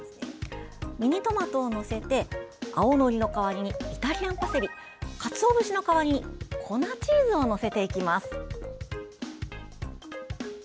ミニトマトを載せて青のりの代わりにイタリアンパセリかつお節の代わりに粉チーズを載せていきます。